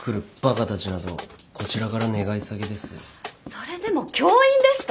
それでも教員ですか？